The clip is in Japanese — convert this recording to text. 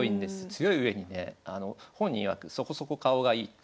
強いうえにね本人いわくそこそこ顔がいいっていうね。